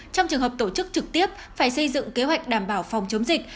trong trường hợp tổ chức trực tiếp phải xây dựng kế hoạch đảm bảo phòng chống dịch